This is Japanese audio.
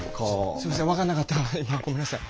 すいません分かんなかった今ごめんなさい。